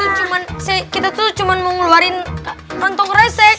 cuma kita tuh cuma mau ngeluarin kantong resek